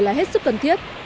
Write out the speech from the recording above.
là hết sức cần thiết